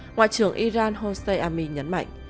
ngoại trưởng iran hossein amin nhấn mạnh